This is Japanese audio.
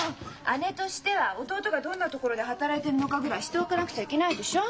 姉としては弟がどんなところで働いてるのかぐらい知っておかなくちゃいけないでしょ？